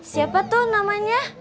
siapa tuh namanya